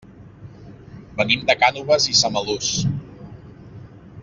Venim de Cànoves i Samalús.